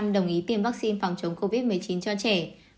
sáu mươi sáu đồng ý tiêm vaccine phòng chống covid một mươi chín cho trẻ